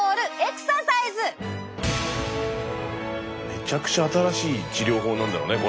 めちゃくちゃ新しい治療法なんだろうねこれ。